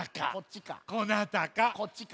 こっちか。